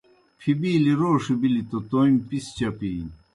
پِھبِیلیْ روݜ بِلیْ توْ تومیْ پسیْ چپِینیْ